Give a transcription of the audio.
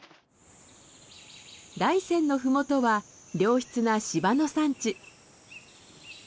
大山のふもとは良質な芝の産地。